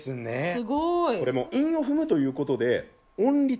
すごい。